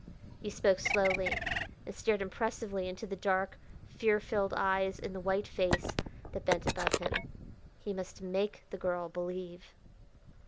He spoke slowly, and stared impressively into the dark, fear filled eyes in the white face that bent above him. He must make the girl believe.